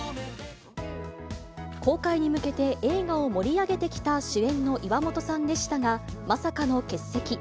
公開に向けて映画を盛り上げてきた主演の岩本さんでしたが、まさかの欠席。